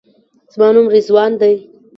زما نوم رضوان دی.